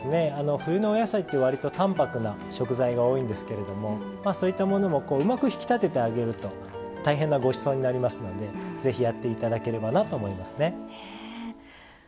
冬のお野菜ってわりと淡泊な食材が多いんですけどそういったものもうまく引き立ててもらうと大変なごちそうになりますのでぜひやっていただければなと思いますね。